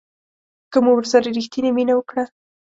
که مو ورسره ریښتینې مینه وکړه